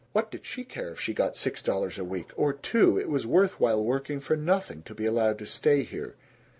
What did she care if she got six dollars a week? Or two! It was worth while working for nothing, to be allowed to stay here.